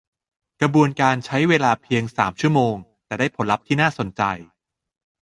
กระบวนการใช่เวลาเพียง สาม ชั่วโมง แต่ได้ผลลัพธ์ที่น่าสนใจ